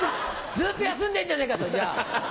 ずっと休んでんじゃねえかそれじゃあ。